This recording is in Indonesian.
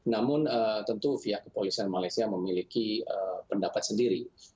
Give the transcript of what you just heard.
namun tentu pihak kepolisian malaysia memiliki pendapat sendiri